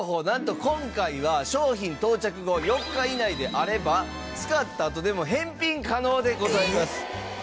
なんと今回は商品到着後４日以内であれば使ったあとでも返品可能でございます。